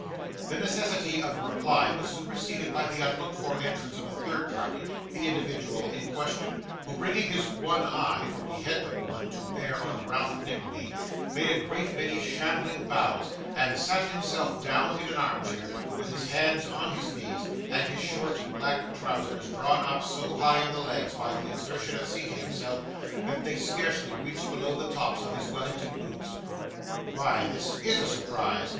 The necessity of a reply was superseded by the unlooked for entrance of a third party the individual in question who, bringing his one eye (for he had but one) to bear on Ralph Nickleby, made a great many shambling bows, and sat himself down in an armchair, with his hands on his knees, and his short black trousers drawn up so high in the legs by the exertion of seating himself, that they scarcely reached below the tops of his Wellington boots. 'Why, this IS a surprise!